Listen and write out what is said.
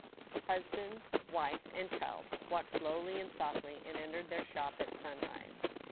Husband, wife, and child walked slowly and softly, and entered their shop at sunrise.